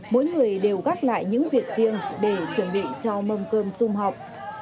mỗi người đều gắt lại những việc riêng để chuẩn bị cho mâm cơm xung hợp